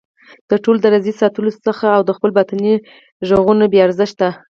د ټولو د راضي ساتلو حڅه او د خپلو باطني غږونو بې ارزښته